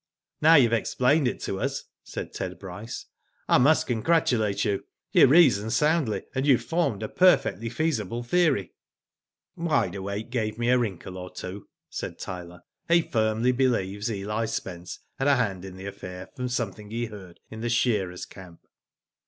"Now you have explained it to us," said Ted Bryce, '* I must congratulate you. You reason soundly, and you hz^ve formed a perfectly feasible theory." Digitized byGoogk TRIED AND CONVICTED. 249 "Wide Awake gave me a wrinkle or two/' said Tyler. " He firmly believes Eli Spence had a hand in the affair from something he heard in the shearers' camp."